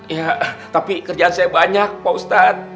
ya tapi kerjaan saya banyak pak ustadz